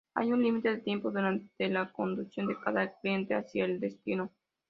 Hay un límite de tiempo durante la conducción de cada cliente hacia el destino.